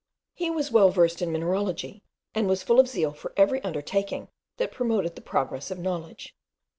He was well versed in mineralogy, and was full of zeal for every undertaking that promoted the progress of knowledge.